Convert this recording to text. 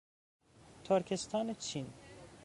ترکستان چین